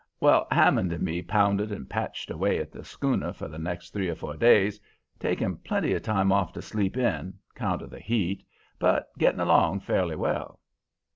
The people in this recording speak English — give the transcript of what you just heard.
"Well, Hammond and me pounded and patched away at the schooner for the next three or four days, taking plenty of time off to sleep in, 'count of the heat, but getting along fairly well.